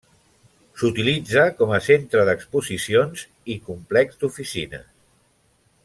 S'utilitza com a centre d'exposicions i complex d'oficines.